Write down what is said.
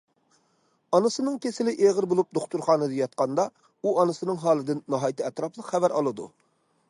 ئانىسىنىڭ كېسىلى ئېغىر بولۇپ دوختۇرخانىدا ياتقاندا، ئۇ ئانىسىنىڭ ھالىدىن ناھايىتى ئەتراپلىق خەۋەر ئالىدۇ.